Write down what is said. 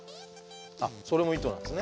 あっそれも糸なんですね。